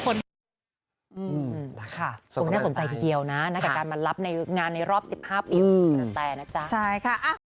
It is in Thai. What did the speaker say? ส่งคำถามฟึงตะไกรเปรยานะแล้วการมารับในงานในรอบ๑๕นึงแต่นะจ๊ะใช่ค่ะ